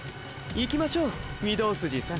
行きましょう御堂筋さん。